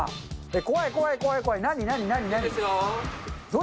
怖い、怖い、怖い。